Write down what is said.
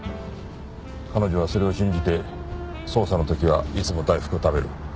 彼女はそれを信じて捜査の時はいつも大福を食べる。